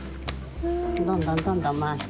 どんどんどんどんまわして。